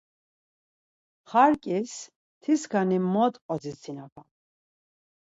Xark̆iz tiskani mot odzisinapam.